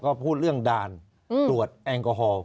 ก็พูดเรื่องด่านตรวจแอลกอฮอล์